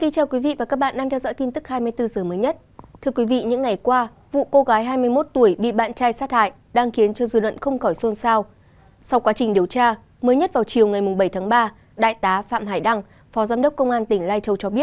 các bạn hãy đăng ký kênh để ủng hộ kênh của chúng mình nhé